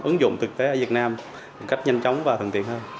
ứng dụng thực tế ở việt nam một cách nhanh chóng và thân thiện hơn